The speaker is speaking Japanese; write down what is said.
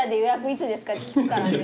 いつですかって聞くからね。